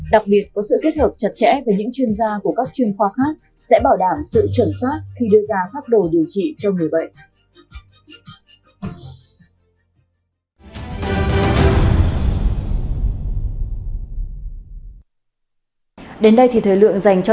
đặc biệt có sự kết hợp chặt chẽ với những chuyên gia của các chuyên khoa khác sẽ bảo đảm sự chuẩn xác khi đưa ra pháp đồ điều trị cho người bệnh